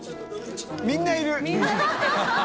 みんないる。